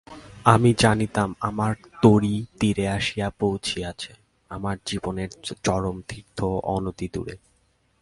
আমি জানিতাম, আমার তরী তীরে আসিয়া পৌঁছিয়াছে, আমার জীবনের চরমতীর্থ অনতিদূরে।